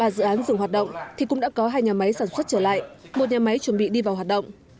ba dự án dừng hoạt động thì cũng đã có hai nhà máy sản xuất trở lại một nhà máy chuẩn bị đi vào hoạt động